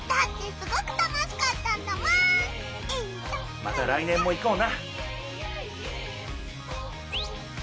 また来年も行こうな。